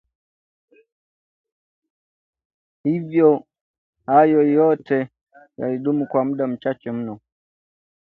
hivyo, hayo yote yalidumu kwa muda mchache mno